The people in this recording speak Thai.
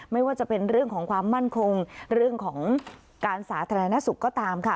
ไม่ว่าจะเป็นเรื่องของความมั่นคงเรื่องของการสาธารณสุขก็ตามค่ะ